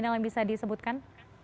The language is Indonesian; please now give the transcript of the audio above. apa yang bisa disebutkan